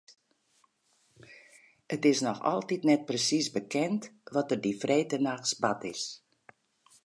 It is noch altyd net persiis bekend wat der dy freedtenachts bard is.